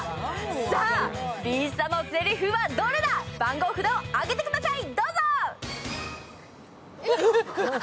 さあ、里依紗のせりふはどれだ、番号札をあげてください！